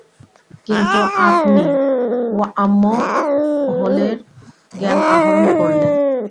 কিন্ত, আপনি ওয়ার্মহোলের জ্ঞান আহরণ করলেন।